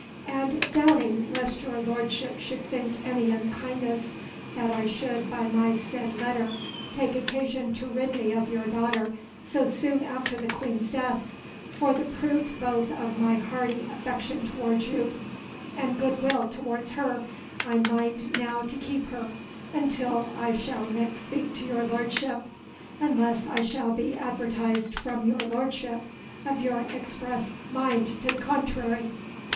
"And doubting lest your lordship should think any unkindness that I should by my said letter take occasion to rid me of your daughter so soon after the Queen's death, for the proof both of my hearty affection towards you and good will towards her, I mind now to keep her until I shall next speak to your lordship ... unless I shall be advertised from your lordship of your express mind to the contrary."